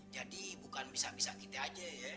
jadi bukan bisa bisa kita aja ya